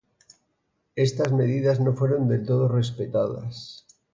Éstas medidas no fueron del todo respetadas.